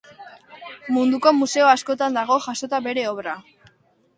Munduko museo askotan dago jasota bere obra.